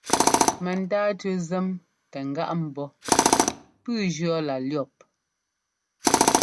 Mɛntáatʉ́ zɛ́m tɛ ŋ́gáꞌ mbɔ́ pʉ́ʉ jʉɔ́ lá lʉ̈ɔ́p!